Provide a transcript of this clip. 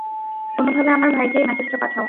কোনভাবে আমার ভাইকে এই মেসেজটা পাঠাও।